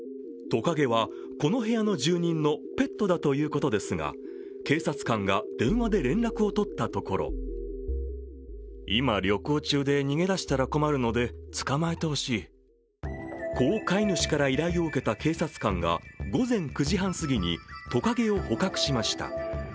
トカゲはこの部屋の住人のペットだということですが警察官が電話で連絡を取ったところこう飼い主から依頼を受けた警察官が午前９時半すぎにトカゲを捕獲しました。